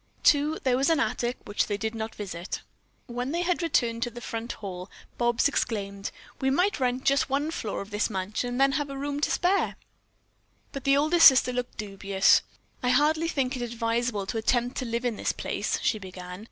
Too, there was an attic, which they did not visit. When they had returned to the front hall, Bobs exclaimed: "We might rent just one floor of this mansion and then have room to spare." But the oldest sister looked dubious. "I hardly think it advisable to attempt to live in this place " she began.